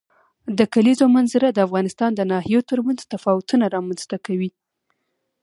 د کلیزو منظره د افغانستان د ناحیو ترمنځ تفاوتونه رامنځ ته کوي.